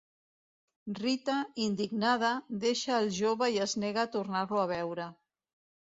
Rita, indignada, deixa el jove i es nega a tornar-lo a veure.